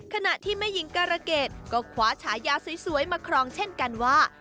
ขณะที่แม่หญิงการะเกดก็คว้าฉายาสวยมาครองเช่นกันว่า